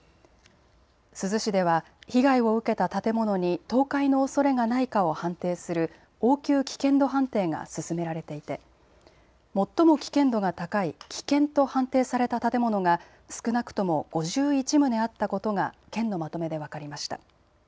珠洲市では被害を受けた建物に倒壊のおそれがないかを判定する応急危険度判定が進められていて最も危険度が高い危険と判定された建物が少なくとも５１棟あったことが県のまとめで分かりました。